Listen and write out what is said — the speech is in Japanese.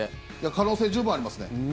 可能性は十分ありますね。